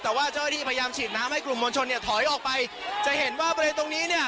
แต่ว่าเจ้าหน้าที่พยายามฉีดน้ำให้กลุ่มมวลชนเนี่ยถอยออกไปจะเห็นว่าบริเวณตรงนี้เนี่ย